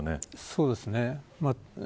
そうですね。